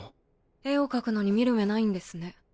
絵を描くのに見る目ないんですね。